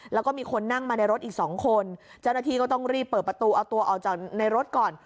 แล้วก็มีคนนั่งมาในรถอีกสองคนเจ้าหน้าที่ก็ต้องรีบเปิดประตูเอาตัวออกจากในรถก่อน